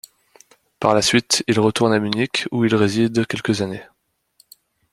Par la suite, il retourne à Munich où il réside quelques années.